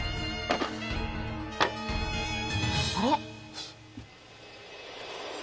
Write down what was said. あれ？